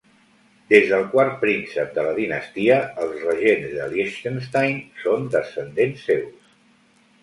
Des del quart príncep de la dinastia, els regents de Liechtenstein són descendents seus.